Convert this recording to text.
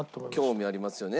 興味ありますよね。